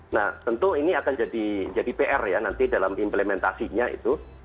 nah tentu ini akan jadi pr ya nanti dalam implementasinya itu